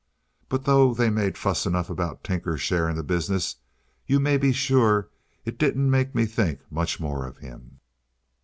But though they made fuss enough about Tinker's share in the business, you may be sure it didn't make me think much more of him.